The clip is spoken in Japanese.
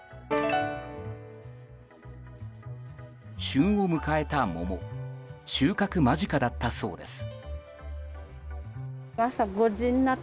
旬を迎えた桃収穫間近だったそうです。